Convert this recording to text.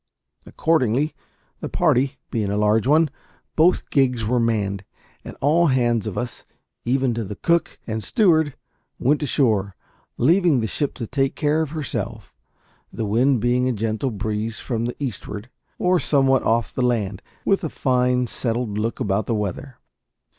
Accordingly, the party being a large one, both gigs were manned, and all hands of us, even to the cook and steward, went ashore, leaving the ship to take care of herself; the wind being a gentle breeze from the eastward, or somewhat off the land, with a fine, settled look about the weather.